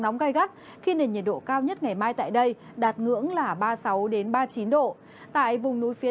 nóng gai gắt khi nền nhiệt độ cao nhất ngày mai tại đây đạt ngưỡng là ba mươi sáu ba mươi chín độ tại vùng núi phía